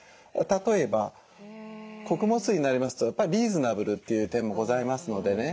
例えば穀物酢になりますとやっぱりリーズナブルという点もございますのでね